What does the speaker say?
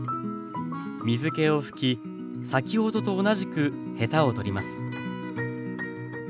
水けを拭き先ほどと同じくヘタを取ります。